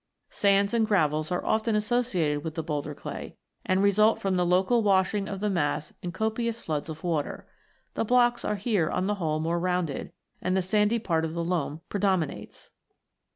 Sands and gravels are often associated with the boulder clay, and result from the local washing of the mass in copious floods of water. The blocks are here on the whole more rounded, and the sandy part of the loam predominates.